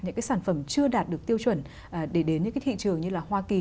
những cái sản phẩm chưa đạt được tiêu chuẩn để đến những cái thị trường như là hoa kỳ